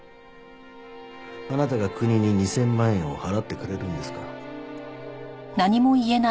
あなたが国に２０００万円を払ってくれるんですか？